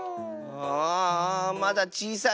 ああまだちいさいね。